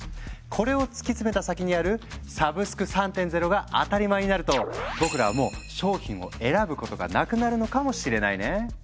これを突き詰めた先にある「サブスク３．０」が当たり前になると僕らはもう商品を選ぶことがなくなるのかもしれないね。